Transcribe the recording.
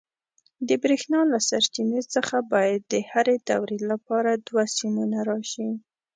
د برېښنا له سرچینې څخه باید د هرې دورې لپاره دوه سیمونه راشي.